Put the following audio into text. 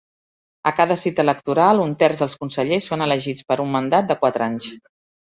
A cada cita electoral, un terç dels consellers són elegits per a un mandat de quatre anys.